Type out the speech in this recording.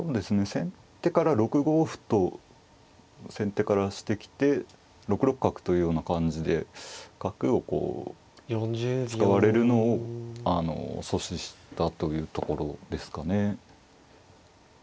先手から６五歩と先手からしてきて６六角というような感じで角をこう使われるのを阻止したというところですかね。